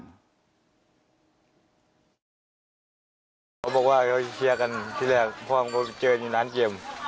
เขาบอกว่าเขาเคลียร์กันที่แรกพ่อมันก็เจออยู่นานเกม